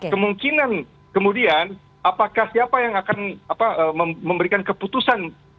kemungkinan kemudian apakah siapa yang akan memberikan keputusan